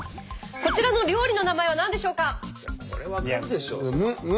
こちらの料理の名前は何でしょうか？